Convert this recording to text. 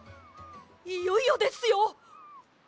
いよいよですよ！